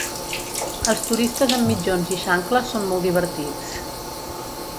Els turistes amb mitjons i xancles són molt divertits.